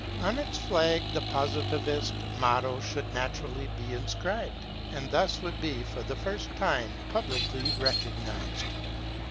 On its flag the Positivist motto would naturally be inscribed, and thus would be for the first time publicly recognized.